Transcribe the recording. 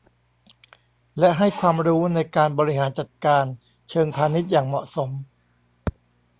และให้ความรู้ในการบริหารจัดการเชิงพาณิชย์อย่างเหมาะสม